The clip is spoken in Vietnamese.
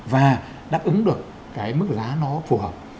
và đáp ứng được cái mức giá nó phù hợp